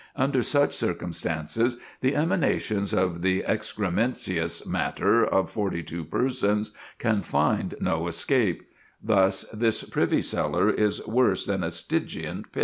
Under such circumstances the emanations of the excrementious matter of 42 persons can find no escape; thus this privy cellar is worse than a Stygian pit."